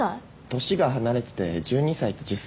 年が離れてて１２歳と１０歳。